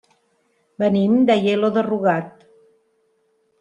Venim d'Aielo de Rugat.